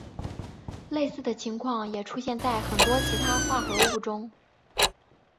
类似的情况也出现在很多其他化合物中。